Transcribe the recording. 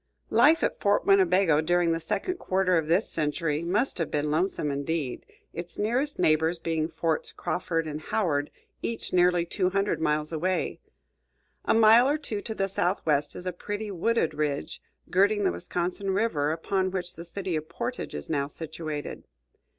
Life at Fort Winnebago during the second quarter of this century must have been lonesome indeed, its nearest neighbors being Forts Crawford and Howard, each nearly two hundred miles away. A mile or two to the southwest is a pretty wooded ridge, girting the Wisconsin River, upon which the city of Portage is now situated.